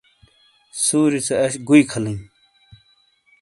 سوری سے اش گوئی کھہ لی